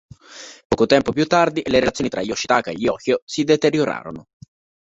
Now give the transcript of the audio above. Poco tempo più tardi le relazioni tra Yoshitaka e gli Hōjō si deteriorarono.